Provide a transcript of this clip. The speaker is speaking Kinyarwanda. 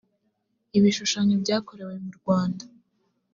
ibishushanyo byakorewe murwanda.